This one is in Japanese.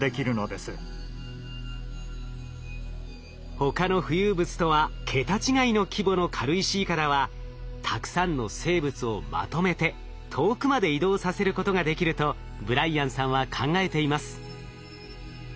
他の浮遊物とは桁違いの規模の軽石いかだはたくさんの生物をまとめて遠くまで移動させることができるとブライアンさんは考えています。